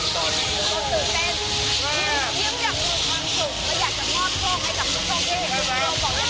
ใส่สุดท้าย